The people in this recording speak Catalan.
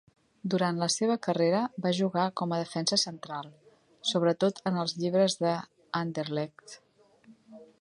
Durant la seva carrera va jugar com a defensa central, sobretot en els llibres de Anderlecht.